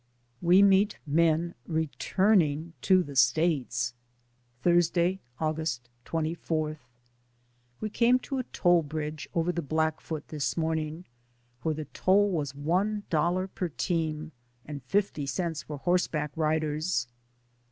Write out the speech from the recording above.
WE MEET MEN RETURNING TO THE STATES. Thursday, August 24. We came to a toll bridge over the Black foot this morning, where the toll was one dollar per team, and fifty cents for horseback riders.